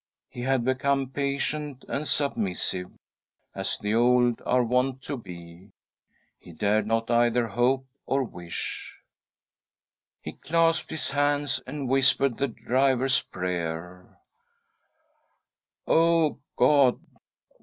He had become patient and submissive, as the ,■■ 190 SHALL BEAR WITNESS ! old are wont to be; he dared riot either hope, or wish. He clasped his hands and whispered the Driver's prayer :" O God